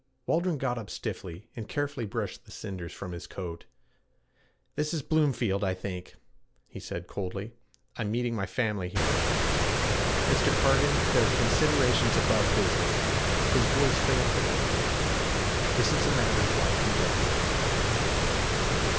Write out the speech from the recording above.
Waldron got up stiffly and carefully brushed the cinders from his coat. 'This is Bloomfield, I think,' he said coldly. 'I'm meeting my family here. Mr. Cargan, there are considerations above business.' His voice failed a little. 'This is a matter of life and death.'